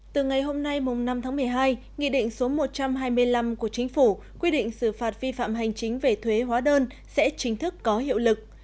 từ ngày hôm nay năm tháng một mươi hai nghị định số một trăm hai mươi năm của chính phủ quy định xử phạt vi phạm hành chính về thuế hóa đơn sẽ chính thức có hiệu lực